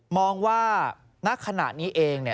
มองว่าณขณะนี้เอง